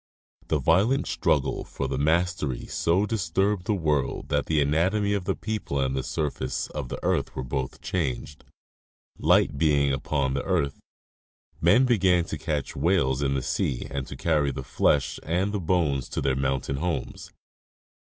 The violent struggle for the mastery so disturbed the world that the anatomy of the people and the surface of the 196 National Geographic Magazine. earth were both changed. Light being upon the earth, men began to catch whales in the sea and to carry the flesh and bones to their mountain homes.